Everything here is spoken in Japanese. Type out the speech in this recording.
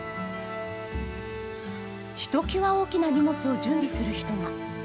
ひときわ大きな荷物を準備する人が。